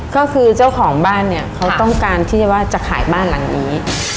ก็คือเจ้าของบ้านเนี่ยเขาต้องการที่จะว่าจะขายบ้านหลังนี้